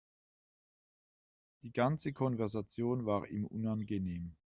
Die ganze Konversation war ihm unangenehm.